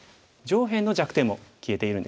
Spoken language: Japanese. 上辺の弱点も消えているんですよね。